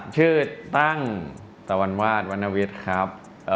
ชื่อตั้งตะวันวาสวรรณวิทย์ครับ